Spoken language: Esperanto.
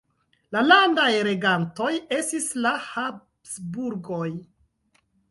La landaj regantoj estis la Habsburgoj.